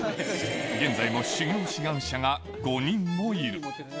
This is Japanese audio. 現在も修業志願者が５人もいる。